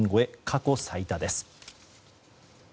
過去最多です。